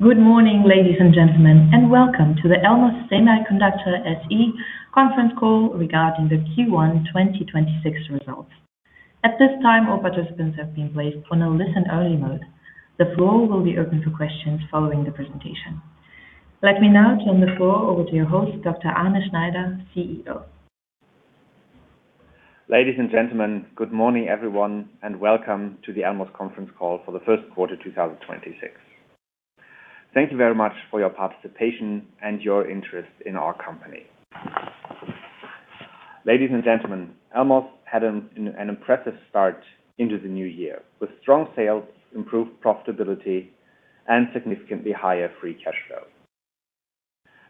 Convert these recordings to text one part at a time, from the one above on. Good morning, ladies and gentlemen, welcome to the Elmos Semiconductor SE conference call regarding the Q1 2026 results. At this time, all participants have been placed on a listen-only mode. The floor will be open for questions following the presentation. Let me now turn the floor over to your host, Dr. Arne Schneider, CEO. Ladies and gentlemen, good morning, everyone, welcome to the Elmos conference call for the first quarter 2026. Thank you very much for your participation and your interest in our company. Ladies and gentlemen, Elmos had an impressive start into the new year, with strong sales, improved profitability, and significantly higher free cash flow.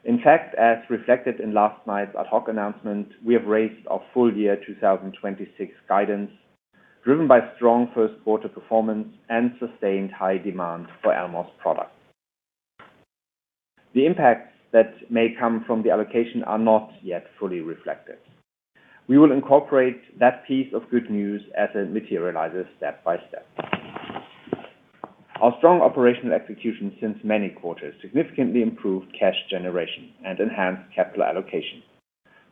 In fact, as reflected in last night's ad hoc announcement, we have raised our full year 2026 guidance, driven by strong first quarter performance and sustained high demand for Elmos products. The impacts that may come from the allocation are not yet fully reflected. We will incorporate that piece of good news as it materializes step by step. Our strong operational execution since many quarters significantly improved cash generation and enhanced capital allocation.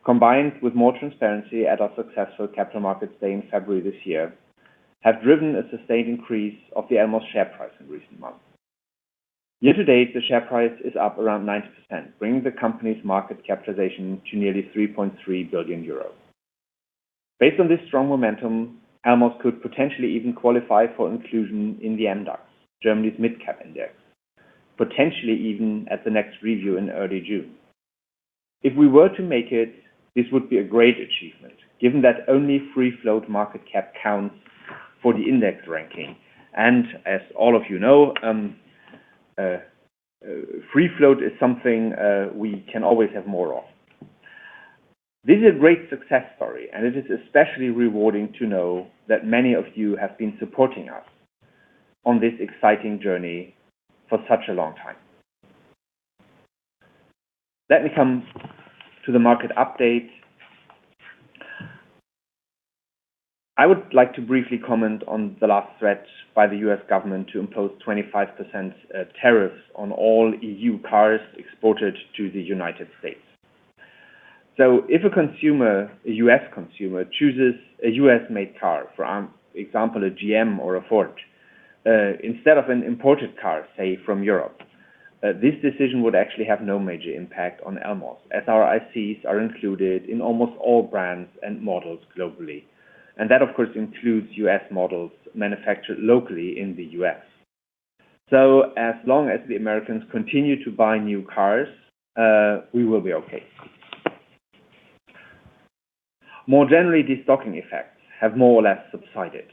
Combined with more transparency at our successful Capital Markets Day in February this year, have driven a sustained increase of the Elmos share price in recent months. Year-to-date, the share price is up around 90%, bringing the company's market capitalization to nearly 3.3 billion euros. Based on this strong momentum, Elmos could potentially even qualify for inclusion in the MDAX, Germany's mid-cap index, potentially even at the next review in early June. If we were to make it, this would be a great achievement, given that only free float market cap counts for the index ranking. As all of you know, free float is something we can always have more of. This is a great success story, and it is especially rewarding to know that many of you have been supporting us on this exciting journey for such a long time. Let me come to the market update. I would like to briefly comment on the last threat by the U.S. government to impose 25% tariffs on all EU cars exported to the United States. If a consumer, a U.S. consumer, chooses a U.S.-made car, for example, a GM or a Ford, instead of an imported car, say from Europe, this decision would actually have no major impact on Elmos, as our ICs are included in almost all brands and models globally. That, of course, includes U.S. models manufactured locally in the U.S. As long as the Americans continue to buy new cars, we will be okay. More generally, destocking effects have more or less subsided.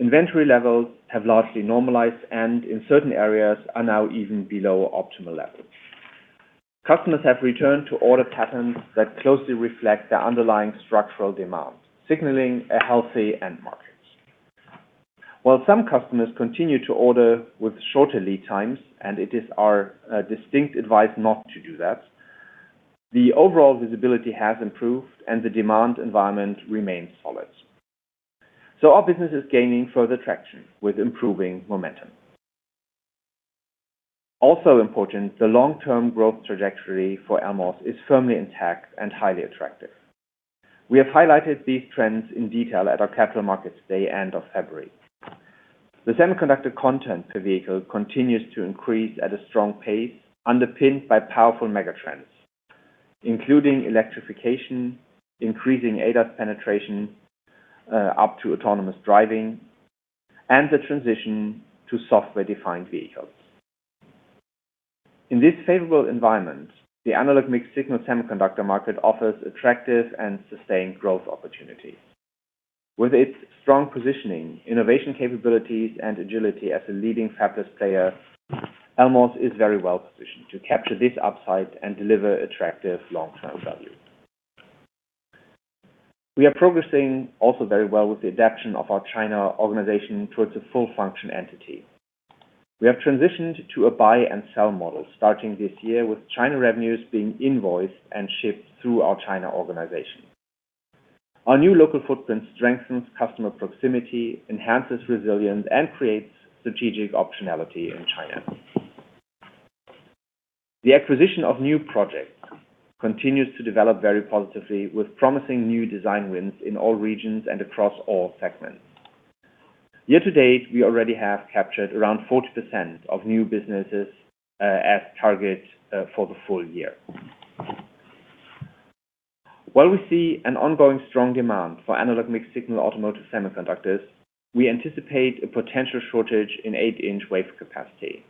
Inventory levels have largely normalized and in certain areas are now even below optimal levels. Customers have returned to order patterns that closely reflect the underlying structural demand, signaling a healthy end market. While some customers continue to order with shorter lead times, and it is our distinct advice not to do that, the overall visibility has improved and the demand environment remains solid. Our business is gaining further traction with improving momentum. Also important, the long-term growth trajectory for Elmos is firmly intact and highly attractive. We have highlighted these trends in detail at our Capital Markets Day, end of February. The semiconductor content per vehicle continues to increase at a strong pace underpinned by powerful megatrends, including electrification, increasing ADAS penetration, up to autonomous driving, and the transition to software-defined vehicles. In this favorable environment, the analog mixed-signal semiconductor market offers attractive and sustained growth opportunities. With its strong positioning, innovation capabilities, and agility as a leading fabless player, Elmos is very well positioned to capture this upside and deliver attractive long-term value. We are progressing also very well with the adaption of our China organization towards a full function entity. We have transitioned to a buy and sell model starting this year, with China revenues being invoiced and shipped through our China organization. Our new local footprint strengthens customer proximity, enhances resilience, and creates strategic optionality in China. The acquisition of new projects continues to develop very positively, with promising new design wins in all regions and across all segments. Year-to-date, we already have captured around 40% of new businesses, as target, for the full year. While we see an ongoing strong demand for analog mixed-signal automotive semiconductors, we anticipate a potential shortage in 8-in wafer capacity.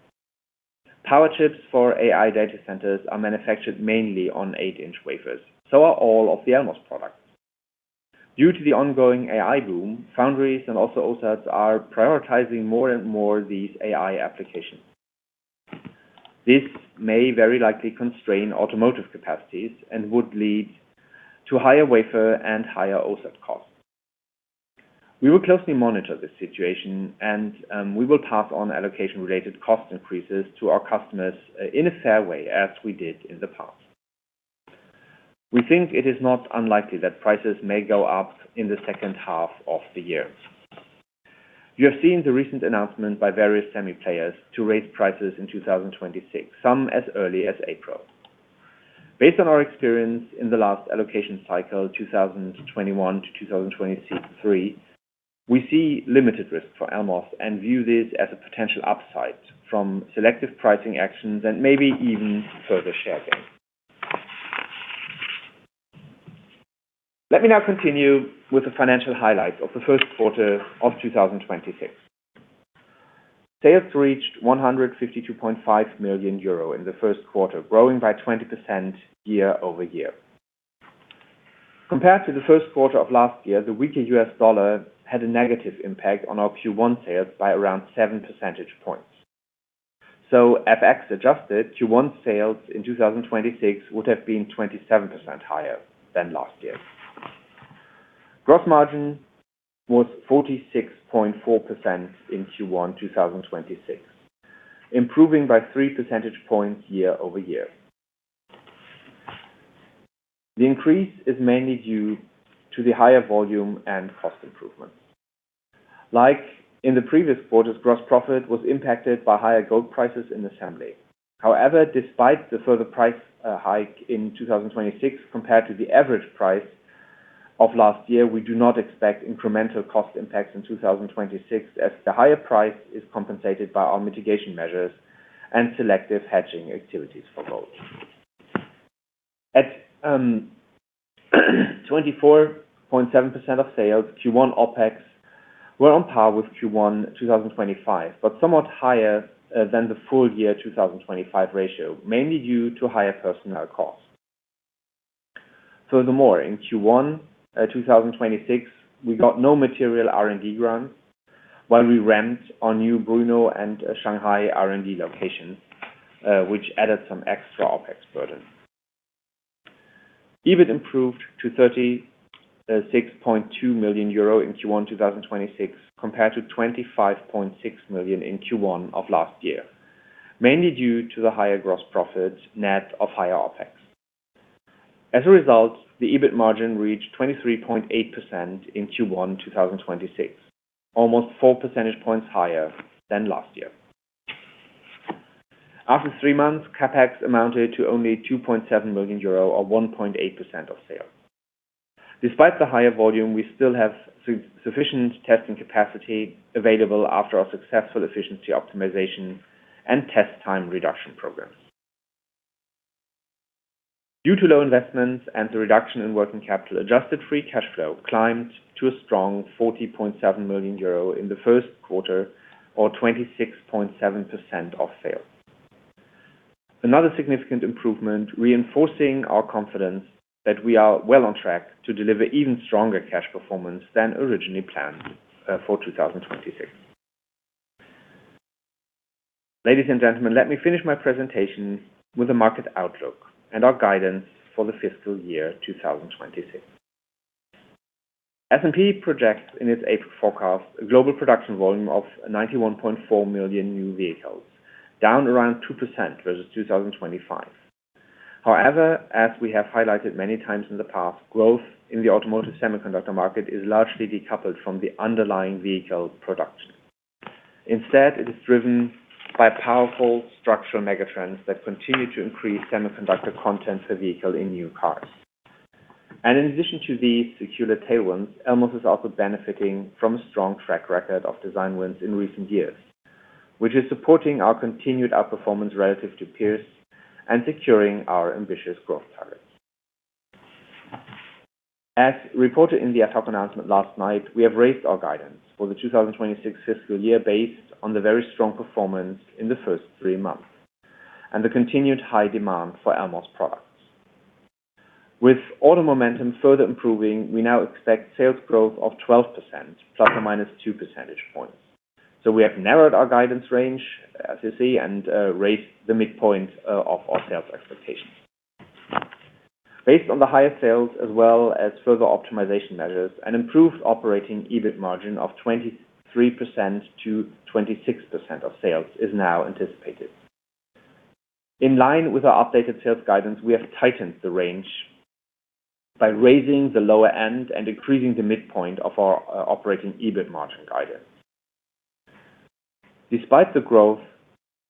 Power chips for AI data centers are manufactured mainly on 8-in wafers. All of the Elmos products. Due to the ongoing AI boom, foundries and also OSATs are prioritizing more and more these AI applications. This may very likely constrain automotive capacities and would lead to higher wafer and higher OSAT costs. We will closely monitor this situation and we will pass on allocation-related cost increases to our customers in a fair way as we did in the past. We think it is not unlikely that prices may go up in the second half of the year. You have seen the recent announcement by various semi players to raise prices in 2026, some as early as April. Based on our experience in the last allocation cycle, 2021 to 2023, we see limited risk for Elmos and view this as a potential upside from selective pricing actions and maybe even further share gain. Let me now continue with the financial highlights of the first quarter of 2026. Sales reached 152.5 million euro in the first quarter, growing by 20% year-over-year. Compared to the first quarter of last year, the weaker US dollar had a negative impact on our Q1 sales by around 7 percentage points. FX adjusted, Q1 sales in 2026 would have been 27% higher than last year. Gross margin was 46.4% in Q1 2026, improving by 3 percentage points year-over-year. The increase is mainly due to the higher volume and cost improvements. Like in the previous quarters, gross profit was impacted by higher gold prices in assembly. However, despite the further price hike in 2026 compared to the average price of last year, we do not expect incremental cost impacts in 2026 as the higher price is compensated by our mitigation measures and selective hedging activities for gold. At 24.7% of sales, Q1 OpEx were on par with Q1 2025, but somewhat higher than the full year 2025 ratio, mainly due to higher personnel costs. Furthermore, in Q1 2026, we got no material R&D grants while we ramped our new Brno and Shanghai R&D locations, which added some extra OpEx burden. EBIT improved to 36.2 million euro in Q1 2026 compared to 25.6 million in Q1 of last year, mainly due to the higher gross profits net of higher OpEx. As a result, the EBIT margin reached 23.8% in Q1 2026, almost 4 percentage points higher than last year. After three months, CapEx amounted to only 2.7 million euro or 1.8% of sales. Despite the higher volume, we still have sufficient testing capacity available after our successful efficiency optimization and test time reduction programs. Due to low investments and the reduction in working capital, adjusted free cash flow climbed to a strong 40.7 million euro in the first quarter, or 26.7% of sales. Another significant improvement reinforcing our confidence that we are well on track to deliver even stronger cash performance than originally planned for 2026. Ladies and gentlemen, let me finish my presentation with a market outlook and our guidance for the fiscal year 2026. S&P projects in its April forecast a global production volume of 91.4 million new vehicles, down around 2% versus 2025. As we have highlighted many times in the past, growth in the automotive semiconductor market is largely decoupled from the underlying vehicle production. It is driven by powerful structural megatrends that continue to increase semiconductor content per vehicle in new cars. In addition to these secular tailwinds, Elmos is also benefiting from a strong track record of design wins in recent years, which is supporting our continued outperformance relative to peers and securing our ambitious growth targets. As reported in the ad hoc announcement last night, we have raised our guidance for the 2026 fiscal year based on the very strong performance in the first three months and the continued high demand for Elmos products. With auto momentum further improving, we now expect sales growth of 12%, ±2 percentage points. We have narrowed our guidance range, as you see, and raised the midpoint of our sales expectations. Based on the higher sales as well as further optimization measures, an improved operating EBIT margin of 23%-26% of sales is now anticipated. In line with our updated sales guidance, we have tightened the range by raising the lower end and increasing the midpoint of our operating EBIT margin guidance. Despite the growth,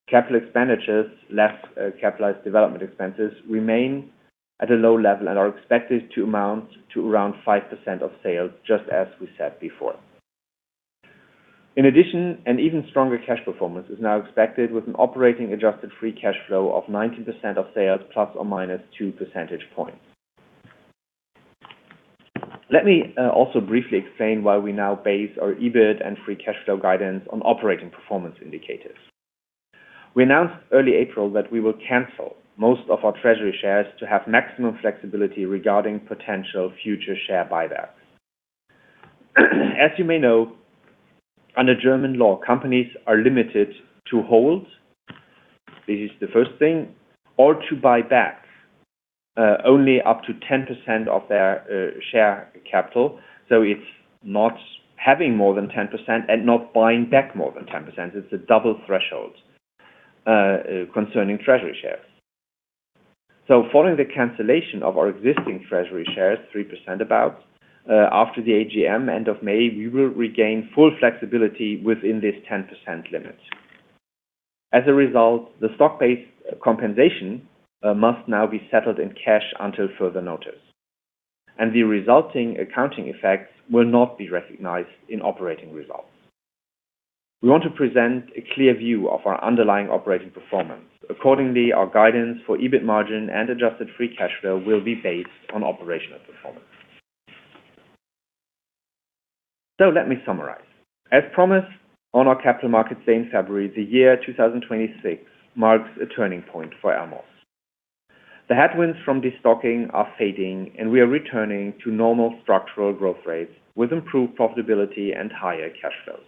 capital expenditures, less capitalized development expenses remain at a low level and are expected to amount to around 5% of sales, just as we said before. In addition, an even stronger cash performance is now expected with an operating adjusted free cash flow of 19% of sales ±2 percentage points. Let me also briefly explain why we now base our EBIT and free cash flow guidance on operating performance indicators. We announced early April that we will cancel most of our treasury shares to have maximum flexibility regarding potential future share buybacks. As you may know, under German law, companies are limited to hold, this is the first thing, or to buy back, only up to 10% of their share capital. It's not having more than 10% and not buying back more than 10%. It's a double threshold concerning treasury shares. Following the cancellation of our existing treasury shares, 3% about, after the AGM end of May, we will regain full flexibility within this 10% limit. As a result, the stock-based compensation must now be settled in cash until further notice, and the resulting accounting effects will not be recognized in operating results. We want to present a clear view of our underlying operating performance. Accordingly, our guidance for EBIT margin and adjusted free cash flow will be based on operational performance. Let me summarize. As promised on our Capital Markets Day in February, the year 2026 marks a turning point for Elmos. The headwinds from destocking are fading, and we are returning to normal structural growth rates with improved profitability and higher cash flows.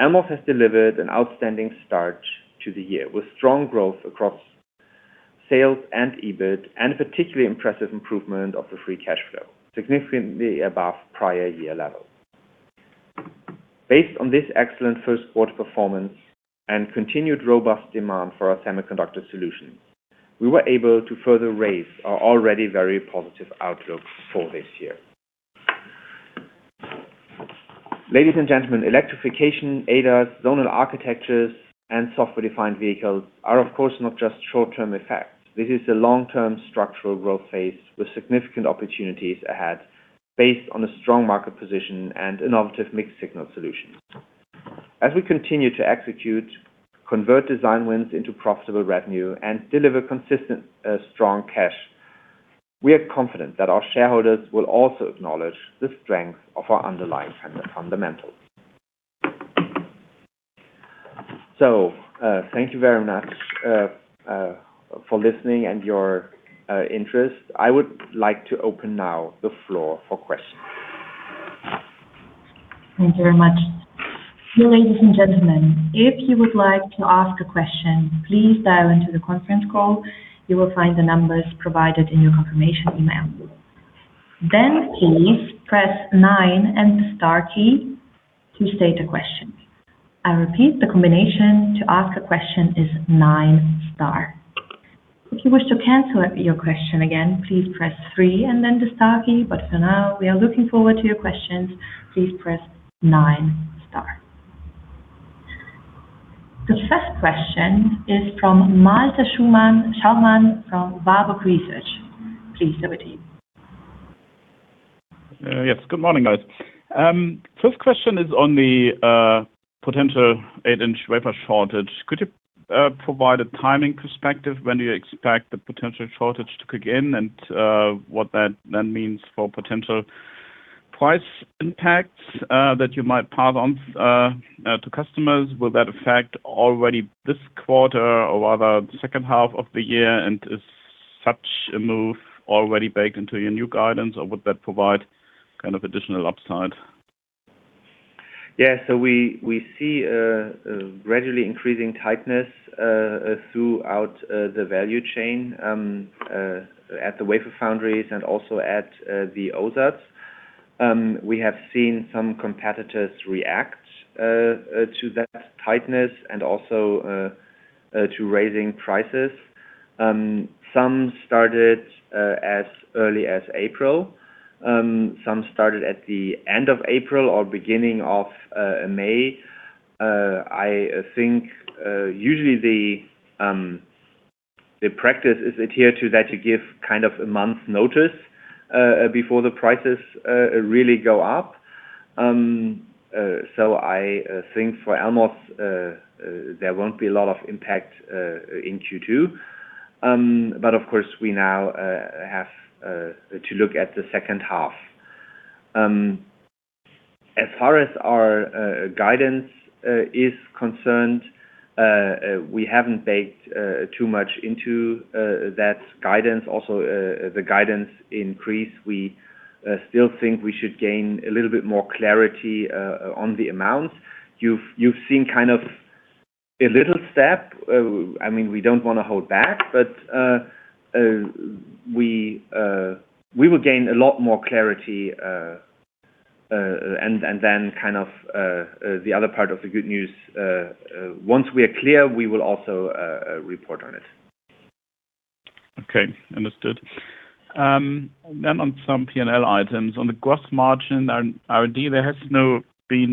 Elmos has delivered an outstanding start to the year, with strong growth across sales and EBIT, and a particularly impressive improvement of the free cash flow, significantly above prior year levels. Based on this excellent first quarter performance and continued robust demand for our semiconductor solutions, we were able to further raise our already very positive outlook for this year. Ladies and gentlemen, electrification, ADAS, zonal architectures, and software-defined vehicles are, of course, not just short-term effects. This is a long-term structural growth phase with significant opportunities ahead based on a strong market position and innovative mixed signal solutions. As we continue to execute, convert design wins into profitable revenue, and deliver consistent, strong cash, we are confident that our shareholders will also acknowledge the strength of our underlying fundamentals. Thank you very much for listening and your interest. I would like to open now the floor for questions. Thank you very much. Ladies and gentlemen, if you would like to ask a question, please dial into the conference call. You will find the numbers provided in your confirmation email. Then please press nine and the star key to state a question. I repeat, the combination to ask a question is nine star. If you wish to cancel your question again, please press three and then the star key, but for now, we are looking forward to your questions. Please press nine star. The first question is from Malte Schaumann from Warburg Research. Please go ahead. Yes. Good morning, guys. First question is on the potential 8-in wafer shortage. Could you provide a timing perspective? When do you expect the potential shortage to kick in, and what that means for potential price impacts that you might pass on to customers? Will that affect already this quarter or rather the second half of the year? Is such a move already baked into your new guidance, or would that provide kind of additional upside? Yeah. We see a gradually increasing tightness throughout the value chain at the wafer foundries and also at the OSATs. We have seen some competitors react to that tightness and also to raising prices. Some started as early as April. Some started at the end of April or beginning of May. I think usually the practice is adhered to that you give kind of a month notice before the prices really go up. I think for Elmos there won't be a lot of impact in Q2. Of course, we now have to look at the second half. As far as our guidance is concerned, we haven't baked too much into that guidance. Also, the guidance increase, we still think we should gain a little bit more clarity on the amounts. You've seen kind of a little step. I mean, we don't wanna hold back, but we will gain a lot more clarity and then kind of the other part of the good news, once we are clear, we will also report on it. Okay. Understood. On some P&L items. On the gross margin R&D, there has been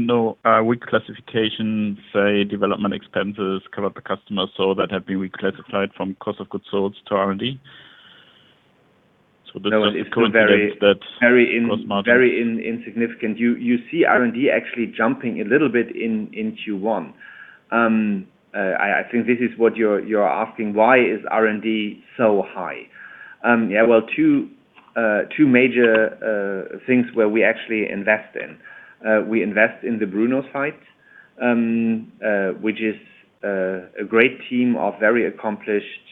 no reclassification, say, development expenses, current customer, so that have been reclassified from cost of goods sold to R&D? No, it's been. Current date that gross margin- Very insignificant. You see R&D actually jumping a little bit in Q1. I think this is what you're asking, why is R&D so high? Well, two major things where we actually invest in. We invest in the Brno site, which is a great team of very accomplished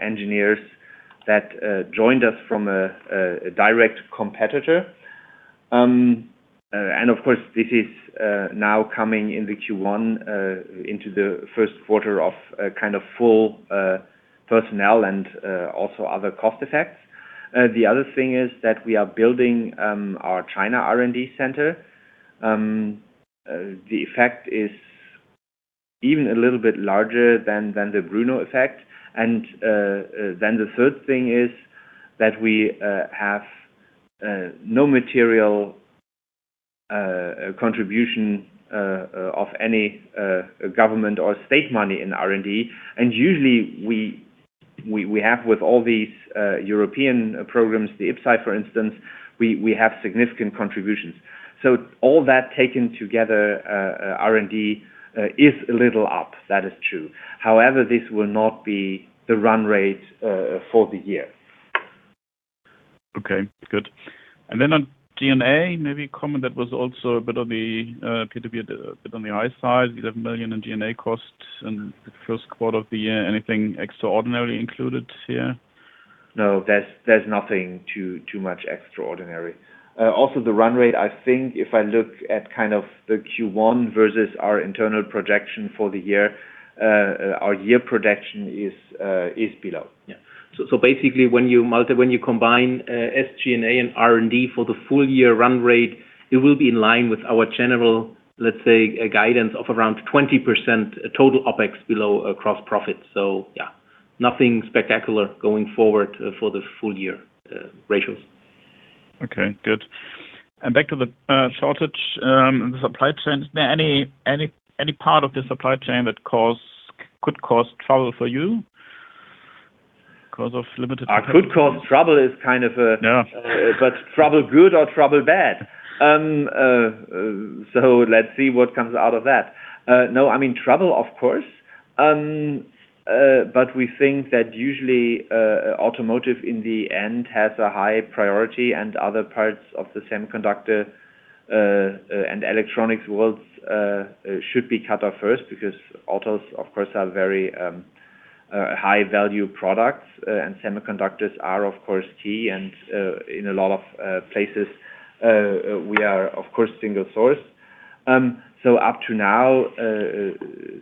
engineers that joined us from a direct competitor. Of course, this is now coming in the Q1 into the first quarter of a kind of full personnel and also other cost effects. The other thing is that we are building our China R&D center. The effect is even a little bit larger than the Brno effect. Then the third thing is that we have no material contribution of any government or state money in R&D. Usually we have with all these European programs, the IPCEI, for instance, we have significant contributions. All that taken together, R&D is a little up. That is true. However, this will not be the run rate for the year. Okay, good. Then on G&A, maybe a comment that was also a bit of the, appeared to be a bit on the high side, 11 million in G&A costs in the first quarter of the year. Anything extraordinarily included here? No, there's nothing too much extraordinary. Also the run rate, I think if I look at kind of the Q1 versus our internal projection for the year, our year projection is below. Basically, when you combine SG&A and R&D for the full year run rate, it will be in line with our general, let's say, guidance of around 20% total OpEx below gross profit. Nothing spectacular going forward for the full year, ratios. Okay, good. Back to the shortage in the supply chain, is there any part of the supply chain that could cause trouble for you? Uh, could cause trouble is kind of a- Yeah. Trouble good or trouble bad? Let's see what comes out of that. No, I mean, trouble, of course. We think that usually automotive in the end has a high priority and other parts of the semiconductor and electronics worlds should be cut off first because autos, of course, are very high-value products. Semiconductors are, of course, key and in a lot of places we are, of course, single source. Up to now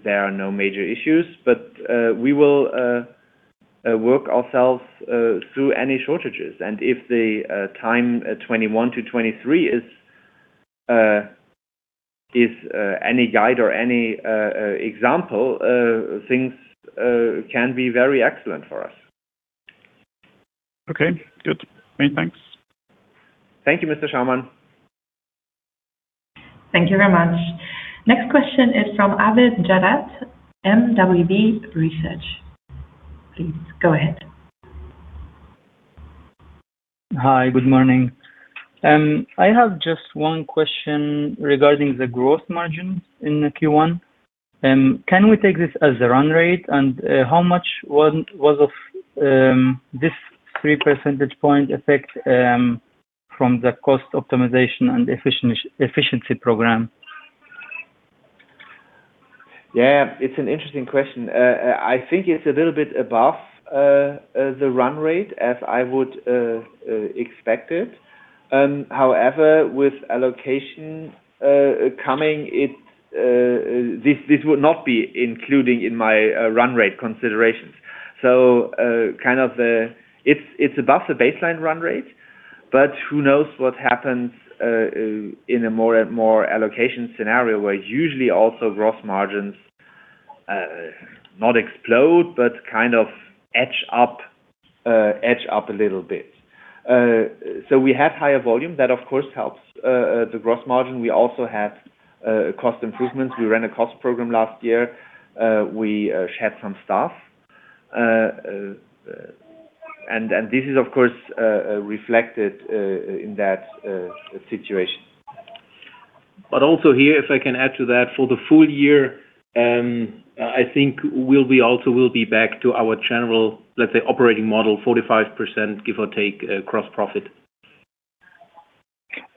there are no major issues, but we will work ourselves through any shortages. If the time 2021 to 2023 is any guide or any example, things can be very excellent for us. Okay, good. Many thanks. Thank you, Mr. Schaumann. Thank you very much. Next question is from Abed Jarad mwb research. Please go ahead. Hi, good morning. I have just one question regarding the gross margin in Q1. Can we take this as a run rate? How much was of this 3 percentage point effect from the cost optimization and efficiency program? Yeah. It's an interesting question. I think it's a little bit above the run rate as I would expect it. However, with allocation coming, this would not be including in my run rate considerations. It's above the baseline run rate, but who knows what happens in a more allocation scenario where usually also gross margins not explode, but kind of edge up a little bit. We have higher volume. That, of course, helps the gross margin. We also have cost improvements. We ran a cost program last year. We shed some staff. This is, of course, reflected in that situation. Also here, if I can add to that, for the full year, I think we'll be back to our general, let's say, operating model, 45%, give or take, gross profit.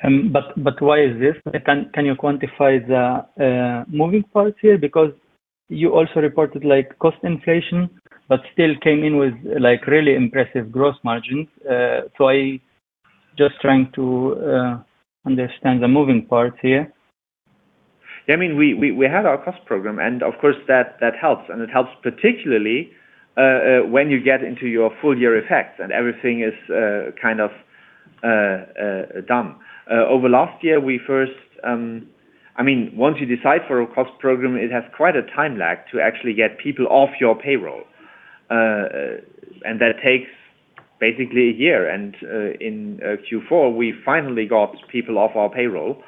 Why is this? Can you quantify the moving parts here? You also reported like cost inflation, but still came in with like really impressive gross margins. I just trying to understand the moving parts here. Yeah. I mean, we had our cost program, of course, that helps. It helps particularly when you get into your full year effects and everything is kind of done. Over last year, we first, I mean, once you decide for a cost program, it has quite a time lag to actually get people off your payroll. That takes basically a year. In Q4, we finally got people off your payroll,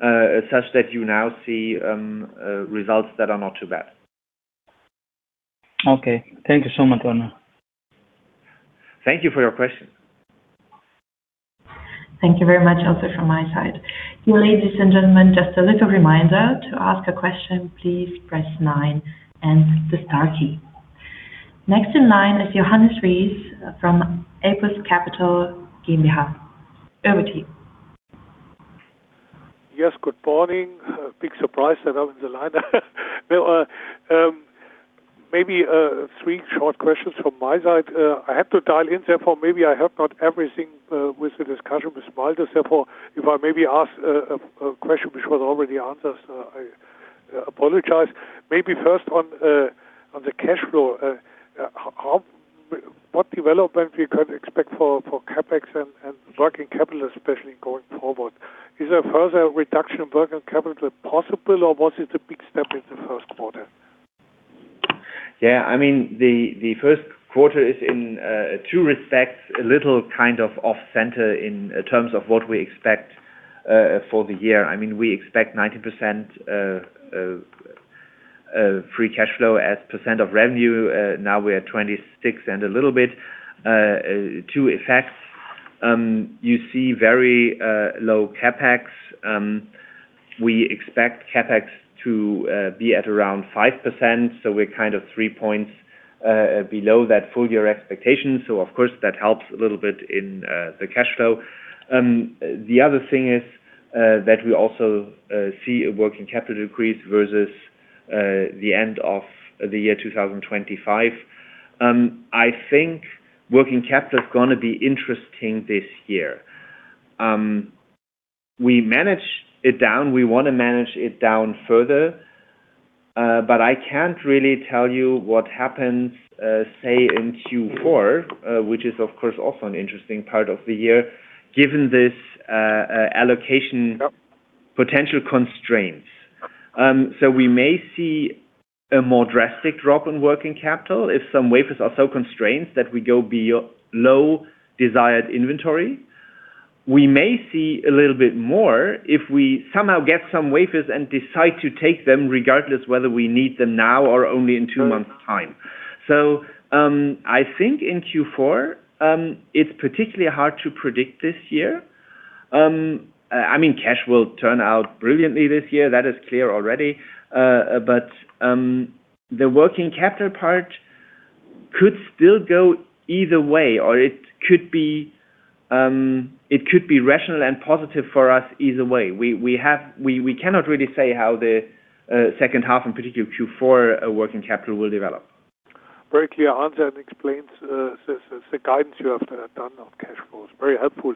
such that you now see results that are not too bad. Okay. Thank you so much, Arne. Thank you for your question. Thank you very much also from my side. Ladies and gentlemen, just a little reminder. To ask a question, please press nine and the star key. Next in line is Johannes Ries from Apus Capital GmbH. Over to you. Yes, good morning. A big surprise that I'm in the line. maybe three short questions from my side. I have to dial in, therefore, maybe I have not everything with the discussion with Schaumann. Therefore, if I maybe ask a question which was already answered. I apologize. Maybe first on the cash flow. What development we can expect for CapEx and working capital, especially going forward? Is there further reduction in working capital possible, or was it a big step in the first quarter? I mean, the first quarter is in two respects, a little kind of off center in terms of what we expect for the year. I mean, we expect 90%, free cash flow as percent of revenue. Now we are 2026 and a little bit. Two effects. You see very low CapEx. We expect CapEx to be at around 5%, so we're kind of 3 points below that full year expectation. Of course, that helps a little bit in the cash flow. The other thing is that we also see a working capital decrease versus the end of the year 2025. I think working capital is gonna be interesting this year. We manage it down. We wanna manage it down further, but I can't really tell you what happens, say in Q4, which is, of course, also an interesting part of the year, given this allocation potential constraints. We may see a more drastic drop in working capital if some wafers are so constrained that we go below desired inventory. We may see a little bit more if we somehow get some wafers and decide to take them regardless whether we need them now or only in two months time. I think in Q4, it's particularly hard to predict this year. I mean cash will turn out brilliantly this year. That is clear already. The working capital part could still go either way, or it could be, it could be rational and positive for us either way. We cannot really say how the second half, in particular Q4, working capital will develop. Very clear answer and explains the guidance you have done on cash flows. Very helpful.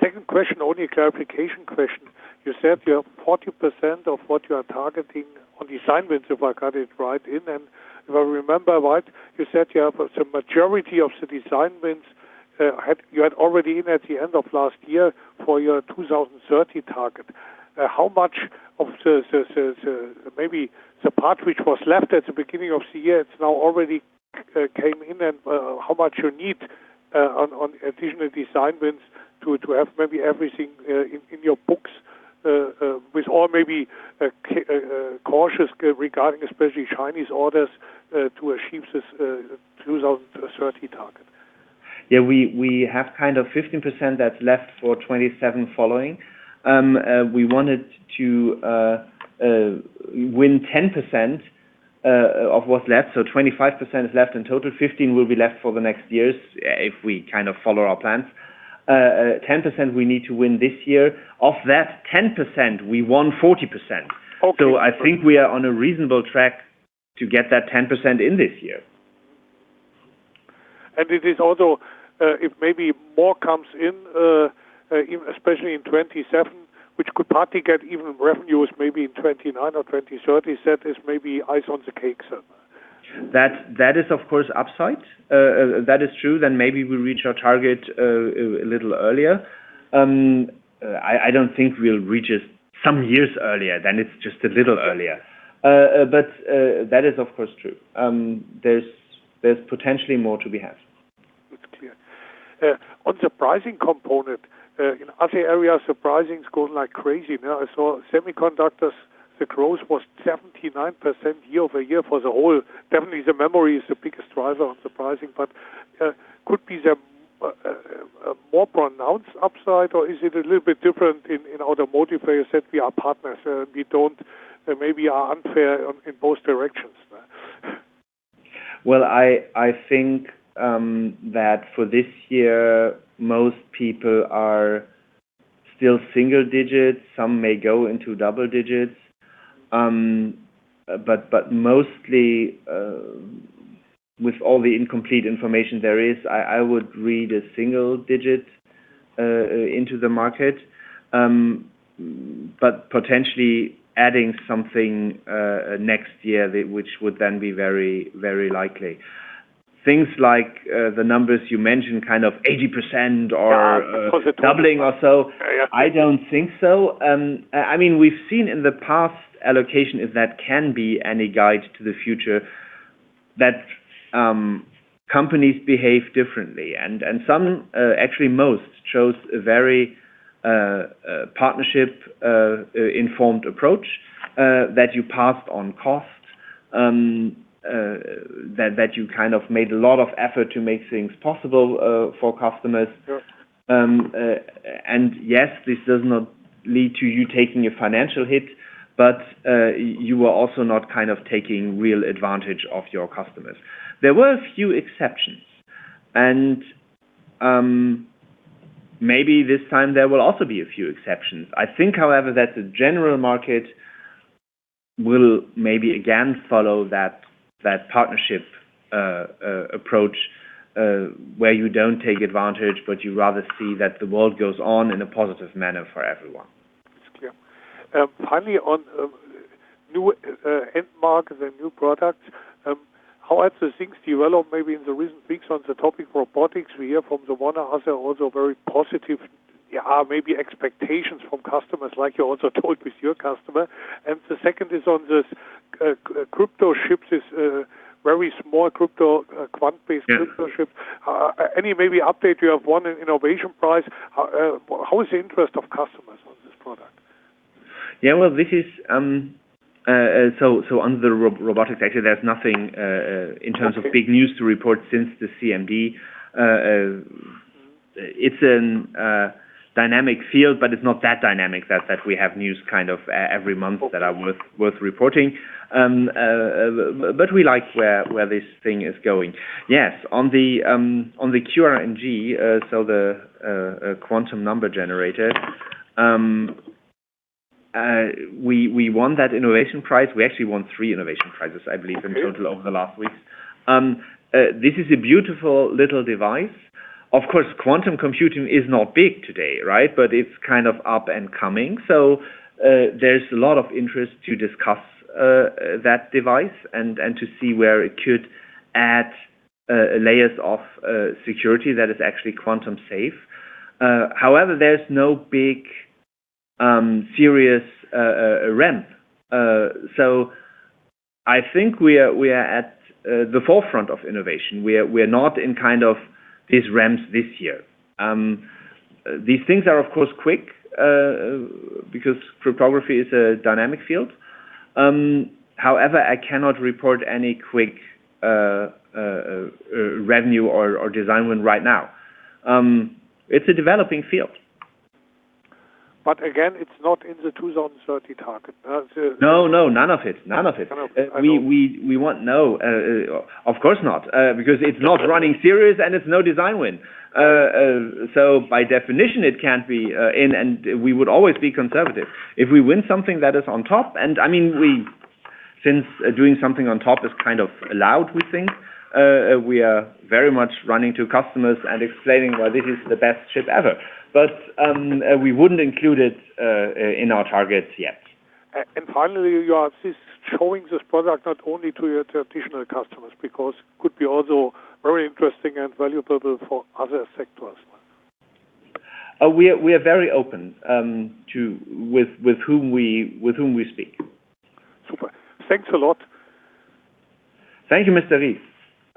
Second question, only a clarification question. You said you have 40% of what you are targeting on the assignments, if I got it right. If I remember right, you said you have the majority of the assignments you had already in at the end of last year for your 2030 target. How much of the maybe the part which was left at the beginning of the year, it's now already came in and how much you need on additional assignments to have maybe everything in your books with all maybe cautious regarding especially Chinese orders to achieve this 2030 target? Yeah, we have kind of 15% that's left for 2027 following. We wanted to win 10% of what's left. 25% is left in total. 15% will be left for the next years if we kind of follow our plans. 10% we need to win this year. Of that 10%, we won 40%. Okay. I think we are on a reasonable track to get that 10% in this year. It is also, if maybe more comes in, especially in 2027, which could partly get even revenues maybe in 2029 or 2030. That is maybe ice on the cake. That is, of course, upside. That is true. Maybe we reach our target a little earlier. I don't think we'll reach it some years earlier, then it's just a little earlier. That is, of course, true. There's potentially more to be had. It's clear. On the pricing component, in other areas, pricing is going like crazy. I saw semiconductors, the growth was 79% year-over-year for the whole. Definitely, the memory is the biggest driver on the pricing. Could be the, a more pronounced upside, or is it a little bit different in automotive? You said we are partners, we don't maybe are unfair on, in both directions. Well, I think that for this year, most people are still single digits. Some may go into double digits. Mostly, with all the incomplete information there is, I would read a single digit into the market. Potentially adding something next year, which would then be very likely. Things like the numbers you mentioned, kind of 80%. Yeah. Doubling or so. Yeah. I don't think so. I mean, we've seen in the past allocation, if that can be any guide to the future, that companies behave differently. Some, actually most, chose a very partnership informed approach that you passed on cost, that you kind of made a lot of effort to make things possible for customers. Sure. Yes, this does not lead to you taking a financial hit, but you are also not kind of taking real advantage of your customers. There were a few exceptions, and maybe this time there will also be a few exceptions. I think, however, that the general market will maybe again follow that partnership approach, where you don't take advantage, but you rather see that the world goes on in a positive manner for everyone. It's clear. Finally, on new end markets and new products, how are the things develop maybe in the recent weeks on the topic robotics? We hear from the one or other also very positive maybe expectations from customers like you also told with your customer. The second is on this crypto chips is very small crypto, quant-based crypto chips. Yeah. Any maybe update you have won an innovation prize. How is the interest of customers on this product? Yeah, well, this is, so under the robotics, actually, there's nothing. Okay. in terms of big news to report since the CMD. It's an dynamic field, but it's not that dynamic that we have news kind of every month. Okay. That are worth reporting. We like where this thing is going. Yes, on the QRNG, so the Quantum Random Number Generator, we won that innovation prize. We actually won three innovation prizes, I believe. Okay. In total over the last weeks. This is a beautiful little device. Of course, quantum computing is not big today, right? It's kind of up and coming. There's a lot of interest to discuss that device and to see where it could add layers of security that is actually quantum safe. However, there's no big, serious ramp. I think we are at the forefront of innovation. We are not in kind of these ramps this year. These things are, of course, quick, because cryptography is a dynamic field. However, I cannot report any quick revenue or design win right now. It's a developing field. Again, it's not in the 2030 target. No, no, none of it. None of it. Okay. I know. We want of course not, because it's not running serious, and it's no design win. By definition, it can't be in, and we would always be conservative. If we win something that is on top, and I mean, since doing something on top is kind of allowed, we think, we are very much running to customers and explaining why this is the best chip ever. We wouldn't include it in our targets yet. Finally, you are showing this product not only to your traditional customers, because could be also very interesting and valuable for other sectors. We are very open to with whom we speak. Super. Thanks a lot. Thank you, Mr. Ries.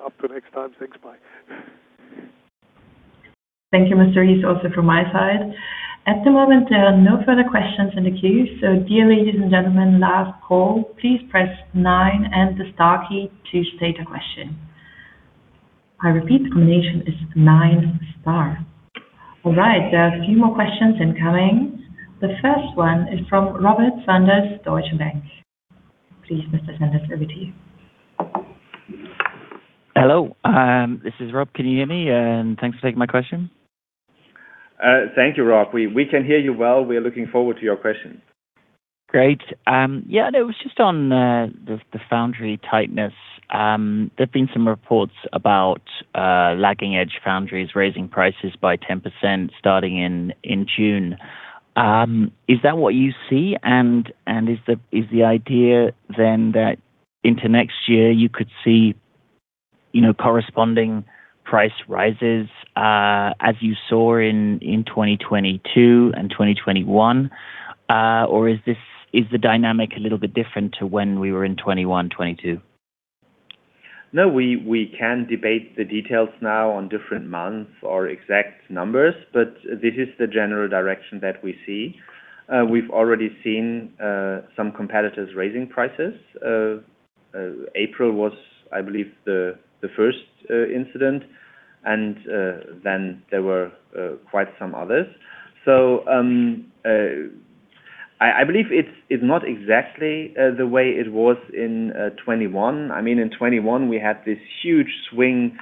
Up to next time. Thanks. Bye. Thank you, Mr. Ries, also from my side. At the moment, there are no further questions in the queue. Dear ladies and gentlemen, last call, please press nine and the star key to state a question. I repeat, the combination is nine, star. All right. There are a few more questions incoming. The first one is from Robert Sanders, Deutsche Bank. Please, Mr. Sanders, over to you. Hello. This is Rob. Can you hear me? Thanks for taking my question. Thank you, Rob. We can hear you well. We are looking forward to your question. Great. Yeah, no, it was just on the foundry tightness. There have been some reports about lagging edge foundries raising prices by 10% starting in June. Is that what you see? Is the idea then that into next year you could see, you know, corresponding price rises as you saw in 2022 and 2021? Or is the dynamic a little bit different to when we were in 2021, 2022? No, we can debate the details now on different months or exact numbers, but this is the general direction that we see. We've already seen some competitors raising prices. April was, I believe, the first incident, and then there were quite some others. I believe it's not exactly the way it was in 2021. I mean, in 2021, we had this huge swing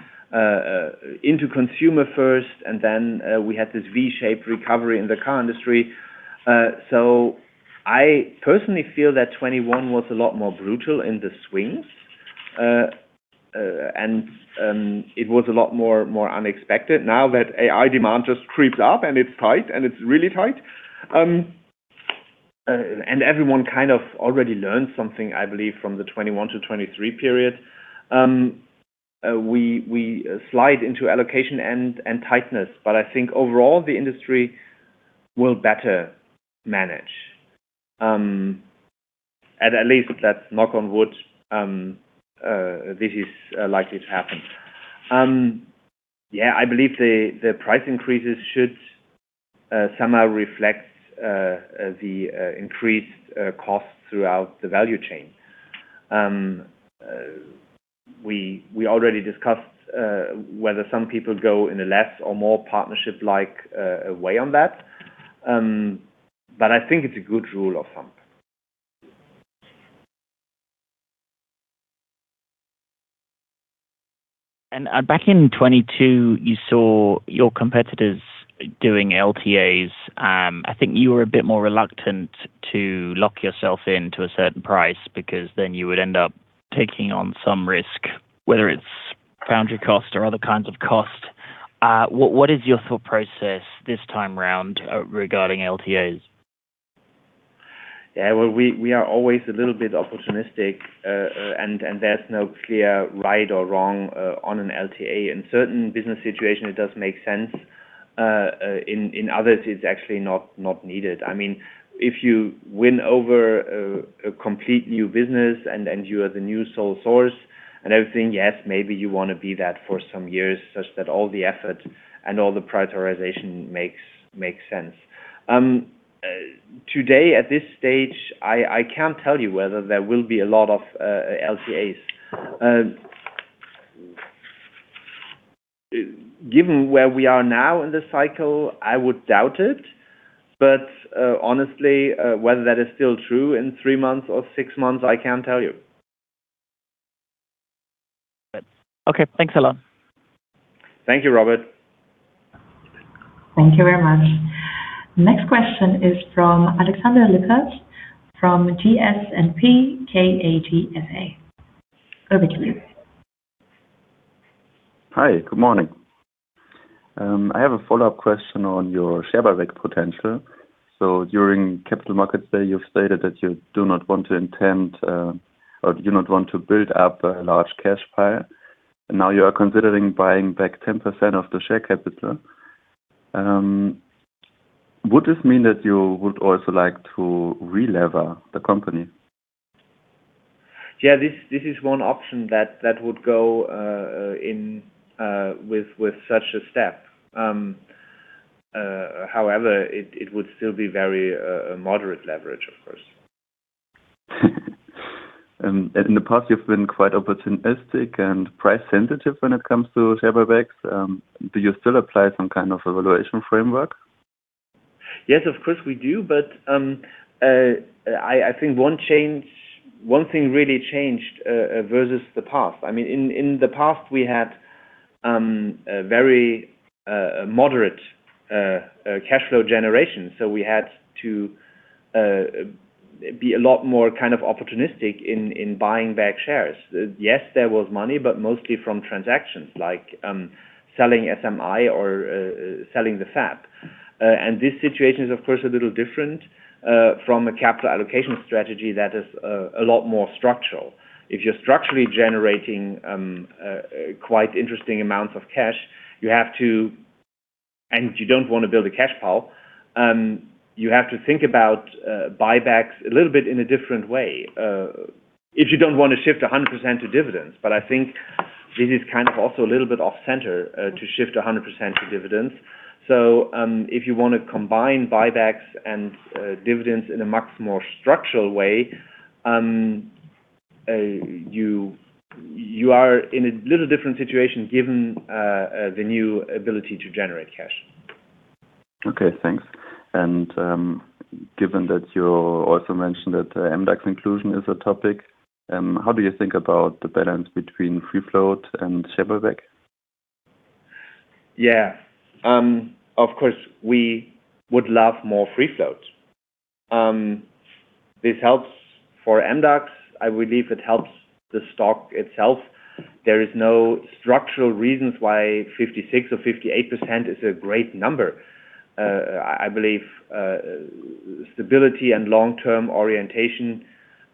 into consumer first, and then we had this V-shaped recovery in the car industry. I personally feel that 2021 was a lot more brutal in the swing. It was a lot more unexpected. Now that AI demand just creeps up, and it's tight, and it's really tight. Everyone kind of already learned something, I believe, from the 2021 to 2023 period. We slide into allocation and tightness, but I think overall the industry will better manage. At least let's knock on wood, this is likely to happen. I believe the price increases should somehow reflect the increased costs throughout the value chain. We already discussed whether some people go in a less or more partnership-like way on that. I think it's a good rule of thumb. Back in 2022, you saw your competitors doing LTAs. I think you were a bit more reluctant to lock yourself in to a certain price because then you would end up taking on some risk, whether it's foundry cost or other kinds of cost. What is your thought process this time round regarding LTAs? Yeah. Well, we are always a little bit opportunistic, and there's no clear right or wrong on an LTA. In certain business situation, it does make sense. In others, it's actually not needed. I mean, if you win over a complete new business and you are the new sole source and everything, yes, maybe you wanna be that for some years such that all the effort and all the prioritization makes sense. Today at this stage, I can't tell you whether there will be a lot of LTAs. Given where we are now in the cycle, I would doubt it. Honestly, whether that is still true in three months or six months, I can't tell you. Okay. Thanks a lot. Thank you, Robert. Thank you very much. Next question is from [Alexander Lippert] from [GS&P KATFA]. Over to you. Hi, good morning. I have a follow-up question on your share buyback potential. During Capital Markets Day, you've stated that you do not want to build up a large cash pile. Now you are considering buying back 10% of the share capital. Would this mean that you would also like to relever the company? This is one option that would go in with such a step. However, it would still be very a moderate leverage, of course. In the past, you've been quite opportunistic and price sensitive when it comes to share buybacks. Do you still apply some kind of evaluation framework? Yes, of course, we do. I think one thing really changed versus the past. I mean, in the past, we had a very moderate cash flow generation, so we had to be a lot more kind of opportunistic in buying back shares. Yes, there was money, mostly from transactions like selling SMI or selling the fab. This situation is, of course, a little different from a capital allocation strategy that is a lot more structural. If you're structurally generating quite interesting amounts of cash, and you don't wanna build a cash pile, you have to think about buybacks a little bit in a different way, if you don't wanna shift 100% to dividends. I think this is kind of also a little bit off center to shift 100% to dividends. If you wanna combine buybacks and dividends in a much more structural way, you are in a little different situation given the new ability to generate cash. Okay, thanks. Given that you also mentioned that, MDAX inclusion is a topic, how do you think about the balance between free float and share buyback? Yeah. Of course, we would love more free float. This helps for MDAX. I believe it helps the stock itself. There is no structural reasons why 56% or 58% is a great number. I believe stability and long-term orientation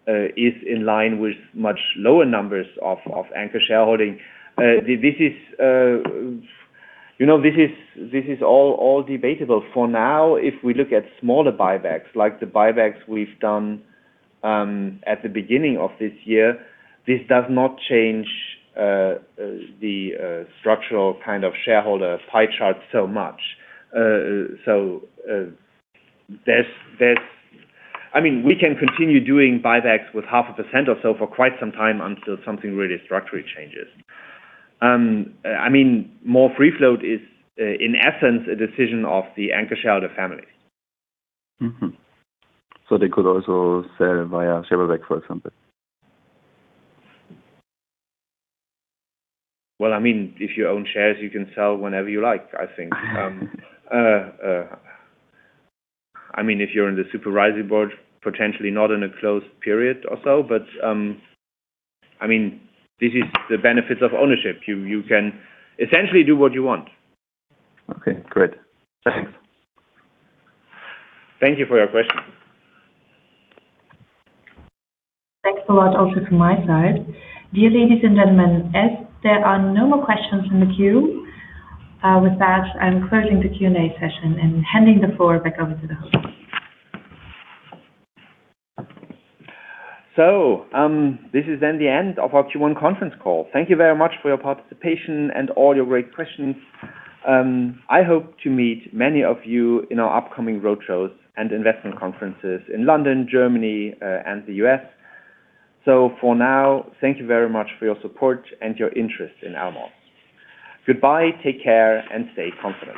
is in line with much lower numbers of anchor shareholding. This is, you know, this is all debatable. For now, if we look at smaller buybacks, like the buybacks we've done at the beginning of this year, this does not change the structural kind of shareholder pie chart so much. I mean, we can continue doing buybacks with 0.5% or so for quite some time until something really structurally changes. I mean, more free float is in essence a decision of the anchor shareholder families. Mm-hmm. They could also sell via share buyback, for example? Well, I mean, if you own shares, you can sell whenever you like, I think. I mean, if you're in the supervising board, potentially not in a closed period or so, but, I mean, this is the benefits of ownership. You can essentially do what you want. Okay, great. Thanks. Thank you for your question. Thanks a lot also from my side. Dear ladies and gentlemen, as there are no more questions in the queue, with that, I'm closing the Q&A session and handing the floor back over to the host. This is the end of our Q1 conference call. Thank you very much for your participation and all your great questions. I hope to meet many of you in our upcoming roadshows and investment conferences in London, Germany, and the U.S. For now, thank you very much for your support and your interest in Elmos. Goodbye, take care, and stay confident.